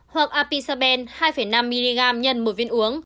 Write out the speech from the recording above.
hoặc apisaben hai năm mg x một viên uống